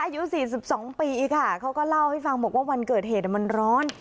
อายุ๔๒ปีค่ะเขาก็เล่าให้ฟังบอกว่าวันเกิดเหตุมันร้อน